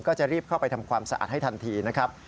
ก็จะรีบเข้าไปทำความสะอาดให้ทันทีนะครับ